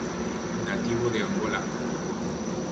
Nativo de Angola.